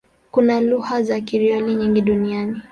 Kuna lugha za Krioli nyingi duniani.